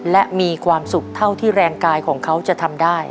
และมีความสุขเท่าที่แรงกายของเขาจะทำได้